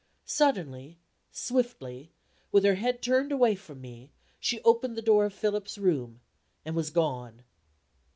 Suddenly, swiftly, with her head turned away from me, she opened the door of Philip's room and was gone.